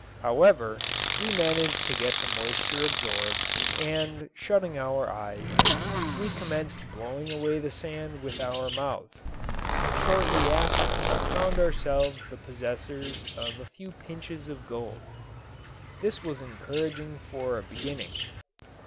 However, we managed to get the moisture absorbed, and, shutting our eyes, we commenced blowing away the sand with our mouths, and shortly after found ourselves the possessors of a few pinch's of gold. This was encouraging for a beginning.